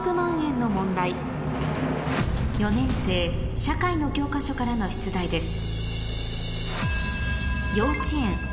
４年生社会の教科書からの出題です